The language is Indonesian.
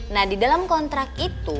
nah di dalam kontrak itu